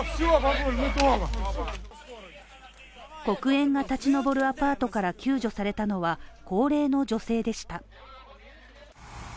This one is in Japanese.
黒煙が立ち上るアパートから救助されたのは、高齢の女性でした。